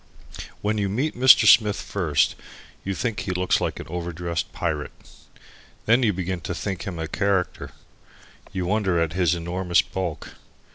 When you meet Mr. Smith first you think he looks like an over dressed pirate. Then you begin to think him a character. You wonder at his enormous bulk.